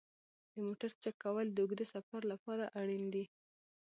د موټر چک کول د اوږده سفر لپاره اړین دي.